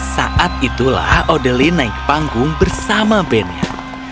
saat itulah odeline naik ke panggung bersama band nya